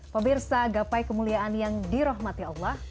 pemirsa gapai kemuliaan yang dirahmati allah